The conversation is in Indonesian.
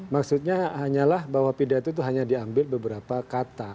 maksudnya hanyalah bahwa pidato itu hanya diambil beberapa kata